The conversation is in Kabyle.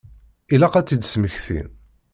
Ilaq ad tt-id-smektin.